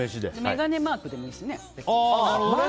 メガネマークでもいいですね。